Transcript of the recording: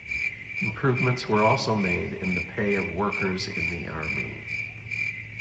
Improvements were also made in the pay of workers in the Army.